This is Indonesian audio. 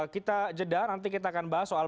kita jeda nanti kita akan bahas soal